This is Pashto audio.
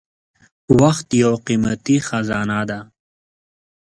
• وخت یو قیمتي خزانه ده.